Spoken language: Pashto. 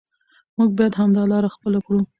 موږ باید همدا لاره خپله کړو.